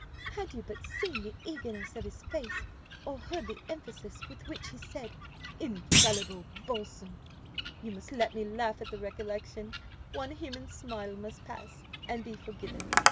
Had you but seen the eagerness of face, or heard the emphasis, with which he said 'infallible balsam' you must let me laugh at the recollection. One human smile must pass, and be forgiven."